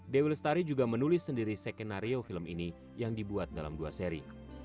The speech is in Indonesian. dewi lestari juga menulis sendiri skenario film ini yang dibuat dalam dua seri